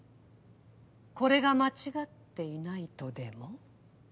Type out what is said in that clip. これが間違っていないとでも？